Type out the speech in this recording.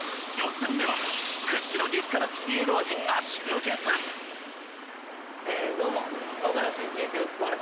屈指の激辛好き芸能人が集結えどうも。